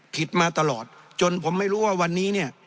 มาตลอดจนผมไม่รู้ว่าวันนี้เนี่ย